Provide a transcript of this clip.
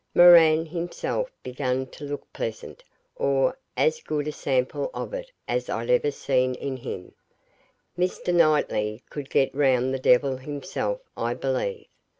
Moran himself began to look pleasant, or as good a sample of it as I'd ever seen in him. Mr. Knightley could get round the devil himself, I believe.